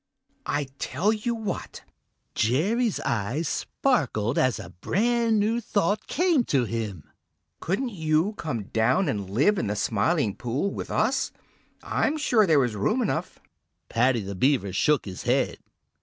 I tell you what!" Jerry's eyes sparkled as a brand new thought came to him. "Couldn't you come down and live in the Smiling Pool with us? I'm sure there is room enough!" Paddy the Beaver shook his head.